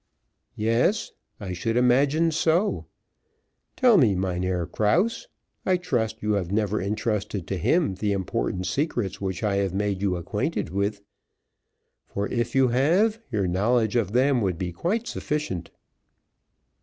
"Yes, I should imagine so. Tell me, Mynheer Krause, I trust you have never entrusted to him the important secrets which I have made you acquainted with, for if you have, your knowledge of them would be quite sufficient."